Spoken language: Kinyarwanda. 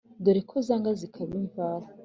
Dore ko zanga zikaba imvaho.